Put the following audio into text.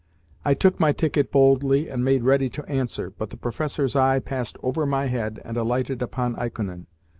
I took my ticket boldly and made ready to answer, but the professor's eye passed over my head and alighted upon Ikonin.